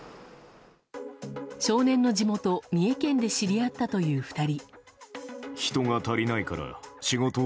少年の地元・三重県で知り合ったという２人。